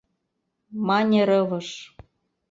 — мане рывыж.